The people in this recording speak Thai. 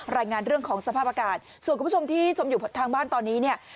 รายงานเรื่องของสภาพอากาศส่วนคุณผู้ชมที่ชมอยู่ทางบ้านตอนนี้เนี่ย